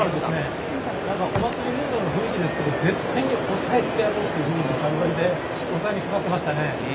お祭りムードの雰囲気ですが絶対に抑えてやるという雰囲気がバリバリで抑えにかかってましたね。